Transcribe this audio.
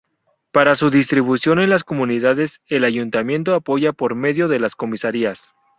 Para su distribución en las comunidades el Ayuntamiento apoya por medio de las comisarías.